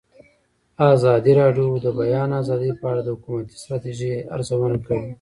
ازادي راډیو د د بیان آزادي په اړه د حکومتي ستراتیژۍ ارزونه کړې.